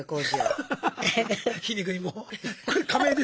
皮肉にも。